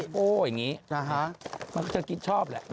พวกผู้ชอบแล้ว